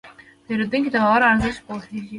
پیرودونکی د باور ارزښت پوهېږي.